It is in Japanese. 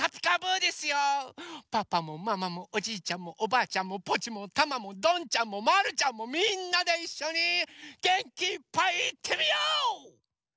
パパもママもおじいちゃんもおばあちゃんもポチもタマもどんちゃんもまるちゃんもみんなでいっしょにげんきいっぱいいってみよう！